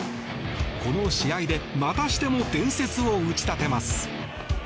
この試合でまたしても伝説を打ち立てます。